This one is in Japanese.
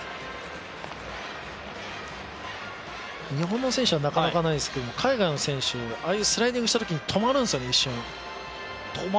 日本の選手はなかなかないですけれども海外の選手、ああいうスライディングしたときに止まるんですよね、一瞬。